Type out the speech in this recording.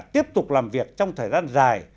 tiếp tục làm việc trong thời gian dài